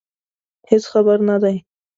هېڅ خبر نه دي.